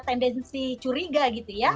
tendensi curiga gitu ya